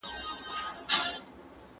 غښتون